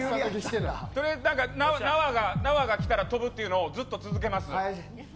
取りあえず縄がきたら跳ぶというのをずっと続けます。